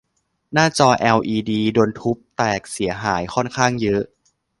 หน้าจอแอลอีดีโดนทุบแตกเสียหายค่อนข้างเยอะ